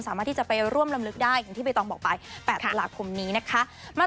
สามารถที่จะไปร่วมลำลึกได้อย่างที่ใบตองบอกไป๘ตุลาคมนี้นะคะ